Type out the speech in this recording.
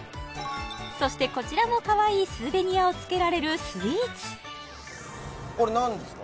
そしてこちらもかわいいスーベニアをつけられるスイーツこれ何ですか？